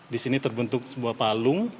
di sini terbentuk sebuah palung